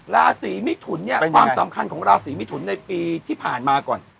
ราศีมิถุนเนี่ยความสำคัญของราศีมิถุนในปีที่ผ่านมาก่อน